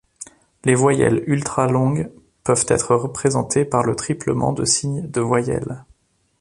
Les voyelles ultra-longues peuvent être représentées par le triplement de signe de voyelle.